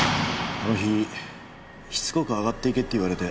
あの日しつこく上がっていけって言われて。